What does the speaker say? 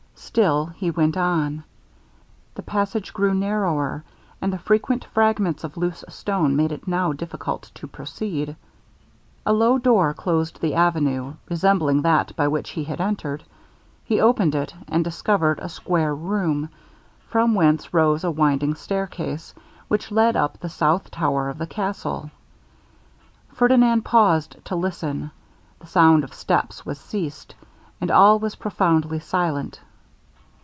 Still he went on. The passage grew narrower, and the frequent fragments of loose stone made it now difficult to proceed. A low door closed the avenue, resembling that by which he had entered. He opened it, and discovered a square room, from whence rose a winding stair case, which led up the south tower of the castle. Ferdinand paused to listen; the sound of steps was ceased, and all was profoundly silent.